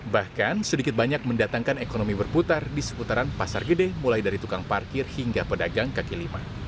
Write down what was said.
bahkan sedikit banyak mendatangkan ekonomi berputar di seputaran pasar gede mulai dari tukang parkir hingga pedagang kaki lima